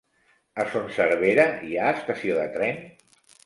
A Son Servera hi ha estació de tren?